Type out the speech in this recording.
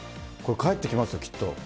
帰ってきますよ、きっと。